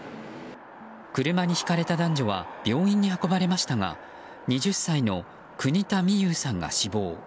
車にひかれた男女は病院に運ばれましたが２０歳の国田美佑さんが死亡。